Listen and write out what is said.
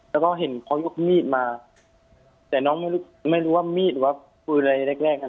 แล้วก็เห็นเค้ายกมีดมาแต่น้องไม่รู้ว่ามีดหรือวับคืออะไรแรกนะ